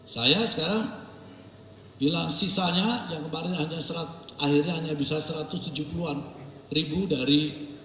saya sekarang bilang sisanya yang kemarin akhirnya hanya bisa satu ratus tujuh puluh an ribu dari